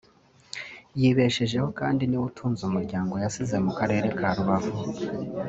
yibeshejeho kandi ni we utunze umuryango yasize mu Karere ka Rubavu